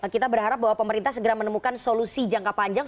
kita berharap bahwa pemerintah segera menemukan solusi jangka panjang